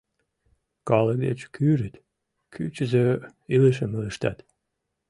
— Калык деч кӱрыт, кӱчызӧ илышым илыштат.